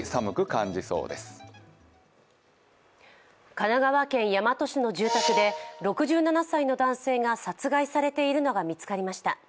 神奈川県大和市の住宅で６７歳の男性が殺害されているのが見つかりました。